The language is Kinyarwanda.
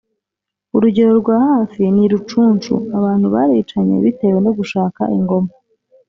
urugero rwa hafi ni rucunshu, abantu baricanye bitewe no gushaka ingoma